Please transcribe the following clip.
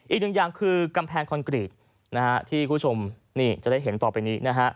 อีกหนึ่งอย่างคือกำแพงคอนกรีตที่คุณผู้ชมนี่จะได้เห็นต่อไปนี้นะฮะ